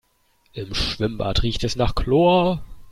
Im Schwimmbad riecht es nach Chlor.